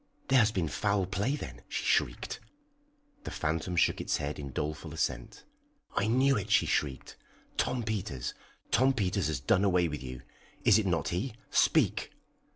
"There has been foul play then!" she shrieked. The phantom shook its head in doleful assent. "I knew it!" she shrieked. "Tom Peters Tom Peters has done away with you. Is it not he? Speak!"